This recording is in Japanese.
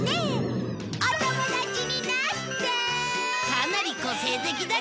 かなり個性的だけどね